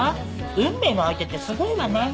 運命の相手ってすごいわね。